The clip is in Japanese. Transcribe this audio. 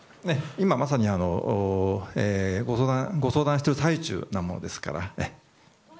今まさにご相談している最中なものですから。